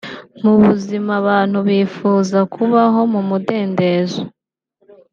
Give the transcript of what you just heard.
Mu buzima abantu bifuza kubaho mu mudendezo